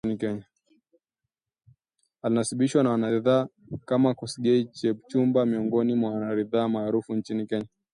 Alinasibishwa na wanariadha kama Kosgei, Chepchumba miongoni mwa wanariadha maarufu nchini Kenya